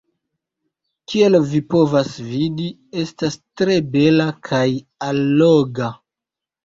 Kiel vi povas vidi, estas tre bela kaj alloga.